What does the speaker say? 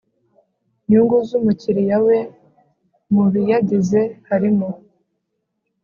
nyungu z umukiriya we Mu biyagize harimo